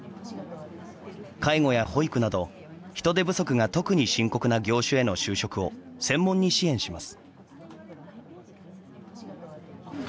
介護や保育など人手不足が特に深刻な業種への就職を専門に支援します。